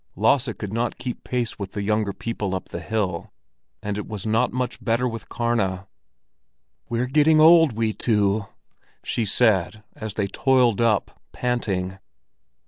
Lasse could not keep pace with the younger people up the hill, and it was not much better with Karna. "We're getting old, we two," she said, as they toiled up, panting.